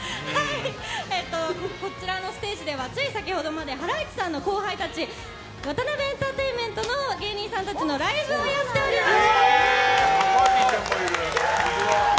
こちらのステージではつい先ほどまでハライチさんの後輩たちワタナベエンターテインメントの芸人さんたちのライブをやっております。